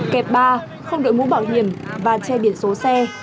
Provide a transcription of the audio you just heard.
kẹp ba không đội mũ bảo hiểm và che biển số xe